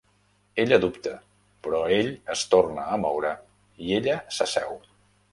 Ella dubta, però ell es torna a moure i ella s'asseu.